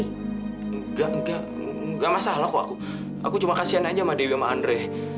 enggak enggak masalah kok aku cuma kasian aja sama dewi sama andre